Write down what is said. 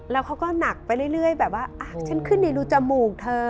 แล้วเขาก็หนักไปเรื่อยแบบว่าฉันขึ้นในรูจมูกเธอ